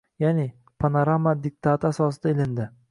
ya’ni panarama diktati asosida ilindi